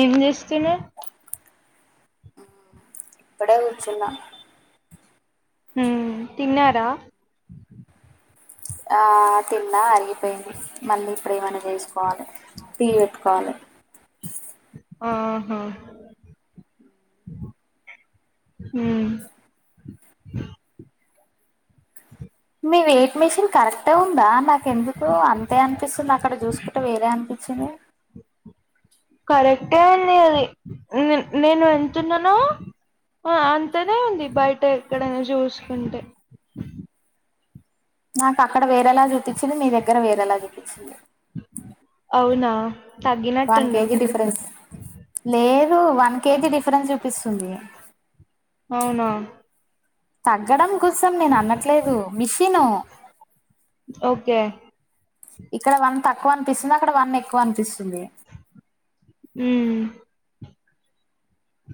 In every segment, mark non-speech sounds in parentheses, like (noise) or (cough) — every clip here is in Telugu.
ఏం చేస్తున్నావ్ ఇప్పుడే కూర్చున్నా హ్మ్ తిన్నారా ఆ తిన్నా అరిగిపోయింది మళ్ళీ ఇప్పుడు ఏమన్న చేసు కోవాలి టీ బెట్టుకోవాలి ఆహా ఉమ్ మీ వెయిట్ మీషన్ కరెక్టే ఉందా నాకు ఎందుకో అంతే అనిపిస్తుంది అక్కడ జూసుకుంటే వేరే అనిపించింది కరెక్టే నీ ది నేను వెళుతున్నానో ఆ అంతనే ఉంది బయట ఎక్కడైనా చూసుకుంటే నాకు అక్కడ వేరేలా చూపించింది మీ దగ్గర వేరేలా చూపించింది అవునా వన్ తగ్గినట్టుండ్రు కేజీ డిఫరెన్స్ లేదు వన్ కేజీ డిఫరెన్స్ చూపిస్తుంది అవునా తగ్గడం కోసం నేను అన్నట్లేదు మిషిను ఓకే ఇక్కడ వన్ తక్కువ అనిపిస్తుంది అక్కడ వన్ ఎక్కువ అనిపిస్తుంది ఉమ్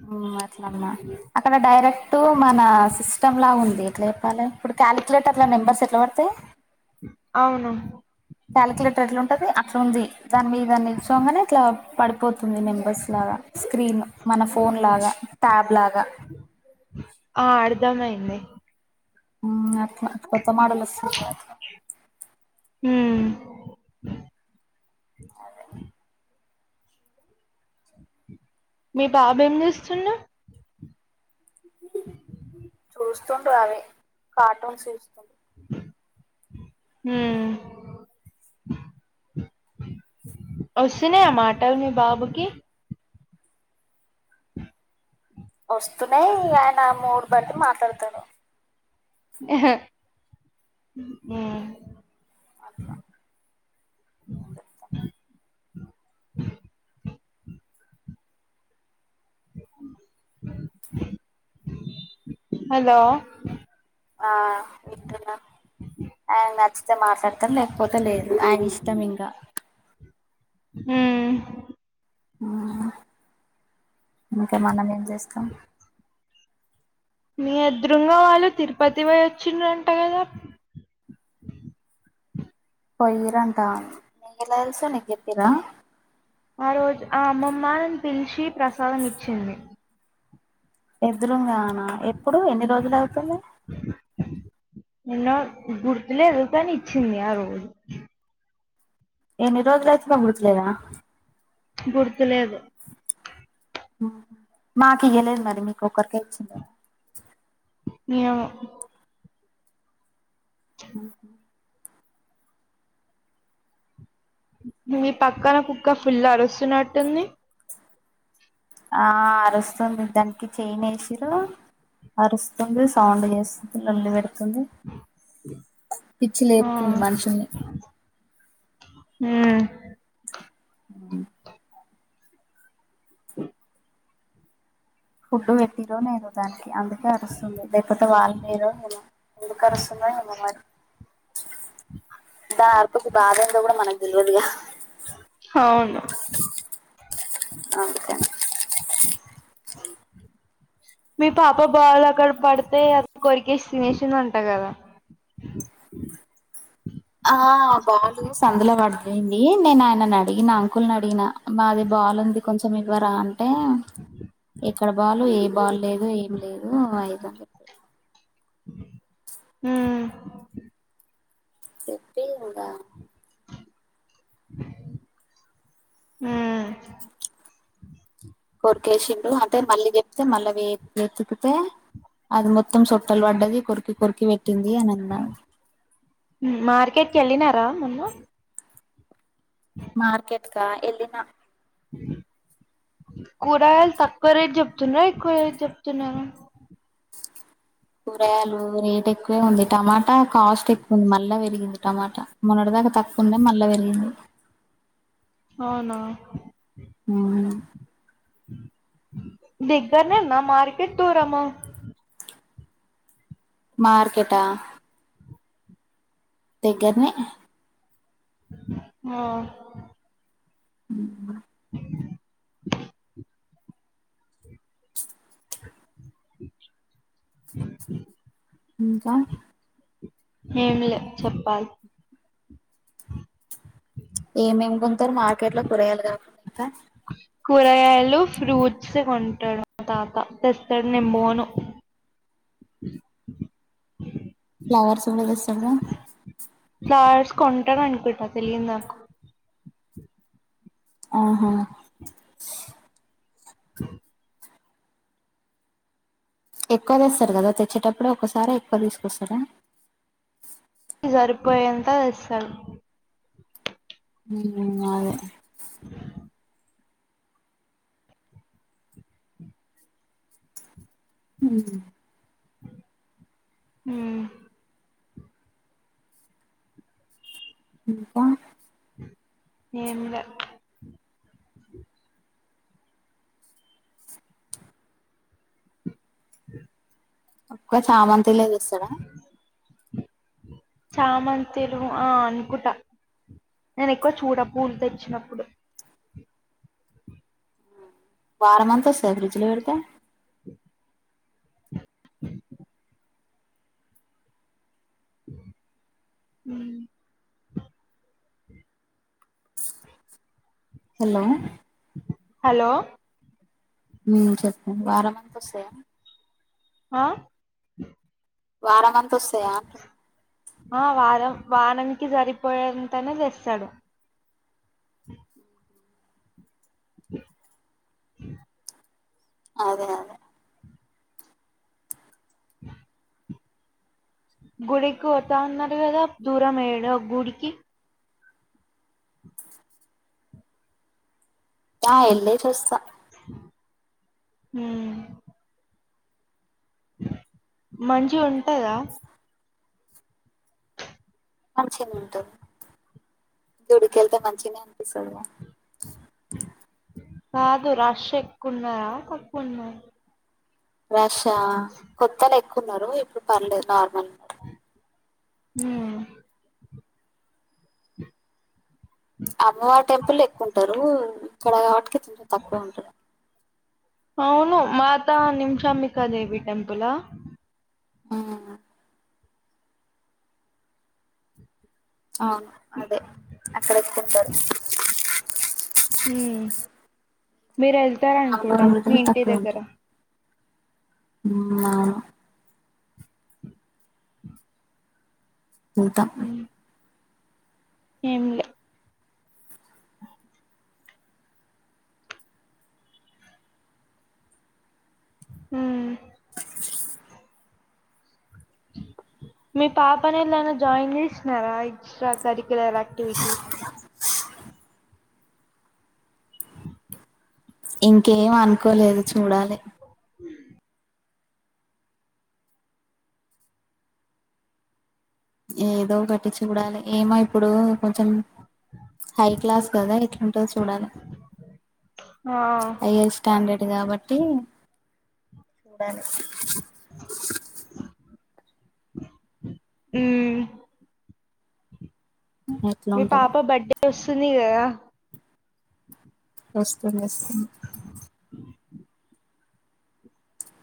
ఆ అట్లా అన్న అక్కడ డైరెక్ట్ మన సిస్టమ్ లా ఉంది ఎట్లా చెప్పాలి ఇప్పుడు కాలిక్యలేటర్ నెంబర్స్ ఎట్లా పడతాయి అవును కాలిక్యులేటర్ ఎట్లా ఉంటది అట్లా ఉంది దాని మీద నిలుచోంగానే ఇట్లా పడిపోతుంది తొమ్మిది మెంబర్స్ లాగా స్క్రీన్ మన ఫోన్ లాగా ట్యాబ్ లాగా ఆ అర్ధమయింది అ అట్లా కొత్త మోడల్ వస్తే చూడాలి ఉమ్ (inaudible) మీ బాబా ఏం చేస్తుండు చూస్తుండు అవే కార్టూన్స్ చూస్తు ఉమ్ వస్తున్నాయా మాటలు మీ బాబుకి వస్తూనే ఆయన మూడు బట్టి మాట్లాడతాడు ఉమ్ ఉ హలో ఆ వింటున్న ఆయన కి నచ్చితే మాట్లాడతారు లేకపోతే లేదు ఆయన ఇష్టం ఇంకా ఉమ్ ఇంక మనం ఏం చేస్తాం మీ ఎదురు ఉన్న వాళ్ళు తిరుపతి పోయి వచ్చిండ్రంట కదా పోయిరంటా నీకు ఎట్లా తెలుసు నీకు చెప్పిరా ఆ రోజు ఆ అమ్మమ్మ నన్ను పిలిచి ప్రసాదం ఇచ్చింది ఎదురుంగానా ఎప్పుడు ఎన్ని రోజులు అవుతుంది నిన్న గుర్తులేదుకాని ఇచ్చింది ఆ రోజు ఏన్ని రోజులు అయితుందో గుర్తులేదా గుర్తు లేదు మాకియ్యలేదు మరి మీకు ఒకరికే ఇచ్చిందేమో ఏమో ఉ మీ పక్కన కుక్క పిల్ల అరుస్తున్నట్టుంది ఆ అరుస్తుంది దానికి చేయన్ వేసిరు అరుస్తుంది సౌండ్ చేస్తుంది లోల్లి పెడుతుంది పిచ్చి ఆ లేపుతుంది మనుషుల్ని ఉం ఉం ఫుడ్డు పెట్టిరో నేను దానికి అందుకే అరుస్తుంది లేకపోతే వాళ్ళు మీేరో (unintelligible) నేను ఎందుకు అరుస్తుందొ ఏమో మరి దాని అరుపుకు బాధ ఏందొ కూడా మనకు తెలివదుగా అవును అందుకని మీ పాప బాలు అక్కడ పడతే కొరికేసి తీనేసింది అంట కదా ఆ బాలు సందులో పడిపొయింది నేను ఆయన అడిగిన అంకుల్ని అడిగిన మాది బాల్ ఉంది కొంచెం ఇవ్వరా అంటే ఎక్కడ బాల్ ఏ బాలు లేదు ఏం లేదు అయిద ఉం చెప్ప ఇంగ ఉం కోర్కేసిండు అంటే మళ్ళీ చెప్తే మళ్ళీవి వెతుకితే అది మొత్తం సొట్టల్ పడ్డది కొరుకి కొరుకి పే మార్కెట్కి వెళ్ళినారా మోన్న మార్కెట్ కా ఎల్లినా కూర గాయాలు తక్కువ రేటు చెప్తున్నర ఎక్కువ రేటు చెప్తున్నరా కూరగాయలు రేట్ ఎక్కువే ఉంది టమాటా కాస్ట్ ఎక్కువ ఉంది మళ్ళా పెరిగింది టమాటా మొన్నటి దాకా తక్కు ఉండే మళ్ళా పెరిగింది అవునా అవును దగ్గరనేన్న మార్కెట్ దూరమా మార్కెట్ ఆ దగ్గరనే ఆ ఉం బ ఇంకా ఏమ్ లే చెప్పాలి ఏమేమ్ కొంటారు మార్కెట్ లో కూరగాయలు గాక ఇంకా కూరగాయలు ఫ్రూట్స్ కొంటాడు తాత తెస్తాడు నేమ్ బోను ఫ్లావర్స్ వర ద స (unintelligible) ఫ్లవర్స్ కొంటడనుకుంట తెలవదు నాకు ఆహా ఎక్కువ తెస్తారు కదా తెచ్చేటప్పుడుే ఒకసారి ఎక్కువ తీసుకొస్తారా జరిపోయే అంత తెస్తాడు ఉం అదే హు హమ్ ఉం ఇంకా ఏంలే అ అక్కడ చామంతిలే చస్తాడా చామంతిలు ఆ అనుకుంటా నేను ఎక్కువ చూడ పూలు తె ఇచ్చినప్పుడు వారం అంతా వస్తా ఫ్రిడ్జ్ లో పెడితే ఉ అ హలో హలో ఉ చెప్పు వారంమంత వస్తాయా ఆ వారంమంత్ ఆ వారం వాననికి సరిపోయేంతైనే తెస్తాడు అదే అదే గుడికి పోతా అన్నారు కదా దూరం వేయడు గుడికి ఆ ఎలేసి వస్తా ఉ మంచి ఉంటదా మంచిగానే ఉంటుంది గుడికి వెళ్తే మంచిగానే అనిపిస్తుంది గా కాదు రష్ ఎక్కువన్నారా తక్కువ ఉన్నారు రష్ ఆ కొత్తలో ఎక్కువ ఉన్నారు ఇప్పుడు పర్లేదు నార్మల్ ఉన్నారు ఉ అమ్మవారి టెంపుల్ ఎక్కువంటారు ఇక్కడ కాబట్క కొంచం తక్కువ ఉంటారు అవును మాతా నింశాబిక దేవి టెంపుల్ ఆ ఆ ఆ అదే అక్కడ ఎక్కు ఉంటారు ఉ మీరు వెళ్తార అనుకుంటాం మీ ఇంటి దగ్గర ఉ మా ఉంటా ఏం లే ఉ మీ పాపనే ఎలానా జాయిన్ చేసినారా ఎక్స్ట్రా కరికు్యలర్ యాక్టివిటీస్ ఇంకేం అనుకోలేదు చూడాలి ఏదో ఒకటి చూడాలి ఏమైత్ ఇప్పుడు కొంచెం హై క్లాస్ కదా ఎట్లాంటుందో చూడాలి ఆ హయ్యర్ స్టాండర్డ్ కాబట్టి చూడాలి హ్మ్ ఎట్లా ఉంటదో వస్తుంది కదా వస్తుంది వస్తుంది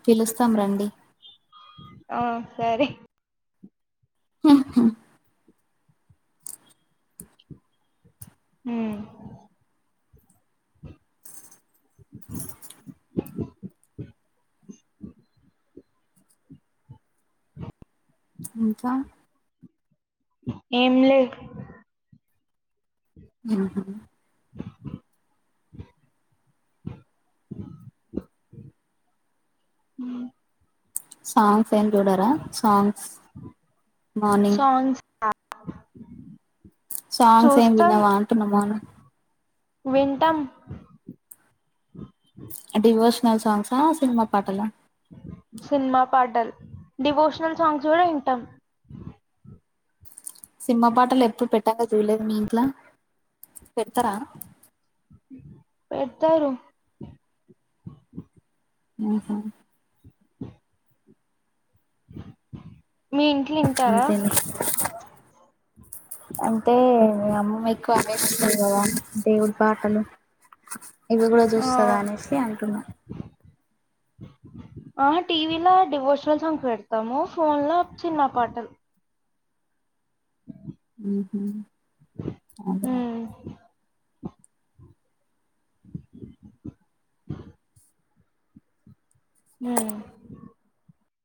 పిలుస్తాం రండి ఆ సరే (inaudible) హ్మ్ (inaudible) (inaudible) (inaudible) ఇంకా ఏం లే హ్మ్ హు (inaudible) సాంగ్స్ ఏం చూడరా సాంగ్స్ మార్నింగ్ సాంగ్స్ (inaudible) సాంగ్స్ ఏ చూస్తాం వినవా అంటున్నా మార్నింగ్ వింటాం డివోషనల్ సాంగ్స్ ఆ సినిమా పాటలా సినిమా పాటలు డివోషనల్ సాంగ్స్ కూడా వింటాం సినిమా పాటలు ఎప్పుడు పెట్టంగా చూడలేదు మీ ఇంట్లో పెడతారా పెడతారు ఆహా మీ ఇంట్లో వింటారా అంతేలే అంటే అమ్మమ్మ ఎక్కువ అవే వింటాది కదా దేవుడి పాటలు ఇవి కూడా ఆ చూస్తదా అనేసి అంటున్నా ఆ టీవీలో డివోషనల్ సాంగ్స్ పెడతాము ఫోన్ లో సినిమా పాటలు హ్మ్ హు అదే ఉమ్ (inaudible) (inaudible) హ్మ్